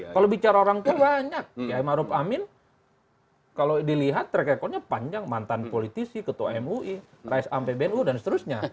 kalau bicara orang itu banyak yaimah ruf amin kalau dilihat rekekonya panjang mantan politisi ketua mui rais ampe benu dan seterusnya